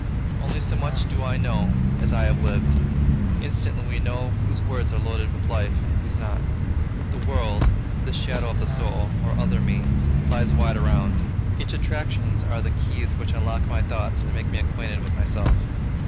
Only so much do I know, as I have lived. Instantly we know whose words are loaded with life, and whose not. The world, this shadow of the soul, or other me, lies wide around. Its attractions are the keys which unlock my thoughts and make me acquainted with myself.